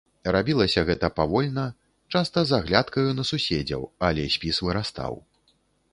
Рабілася гэта павольна, часта з аглядкаю на суседзяў, але спіс вырастаў.